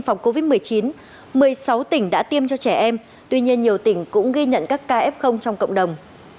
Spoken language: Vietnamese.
phòng covid một mươi chín một mươi sáu tỉnh đã tiêm cho trẻ em tuy nhiên nhiều tỉnh cũng ghi nhận các ca f trong cộng đồng